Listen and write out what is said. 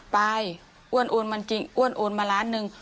ไปอ้วนโอนมันจริงอ้วนโอนมาล้านหนึ่ง